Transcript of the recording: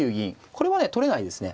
これはね取れないですね。